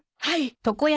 はい。